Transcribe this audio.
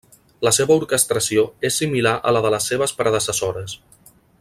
La seva orquestració és similar a la de les seves predecessores.